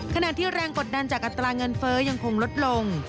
แรงที่แรงกดดันจากอัตราเงินเฟ้อยังคงลดลง